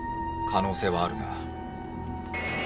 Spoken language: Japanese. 可能性はあるな。